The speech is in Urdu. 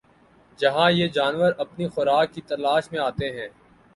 جہاں یہ جانور اپنی خوراک کی تلاش میں آتے ہیں